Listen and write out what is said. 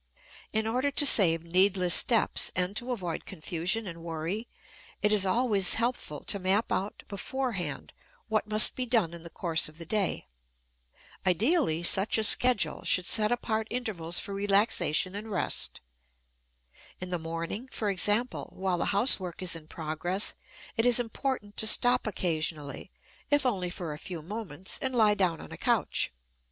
In order to save needless steps and to avoid confusion and worry, it is always helpful to map out beforehand what must be done in the course of the day. Ideally, such a schedule should set apart intervals for relaxation and rest. In the morning, for example, while the housework is in progress, it is important to stop occasionally, if only for a few moments, and lie down on a couch.